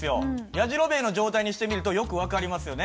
やじろべえの状態にしてみるとよく分かりますよね。